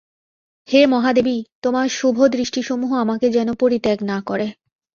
হে মহাদেবী, তোমার শুভদৃষ্টিসমূহ আমাকে যেন পরিত্যাগ না করে।